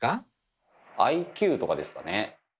ＩＱとかですかね。